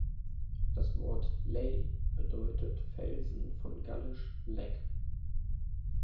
Das Wort Ley bedeutet Felsen von Gallisch "lec".